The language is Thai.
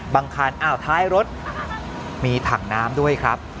คันอ้าวท้ายรถมีถังน้ำด้วยครับ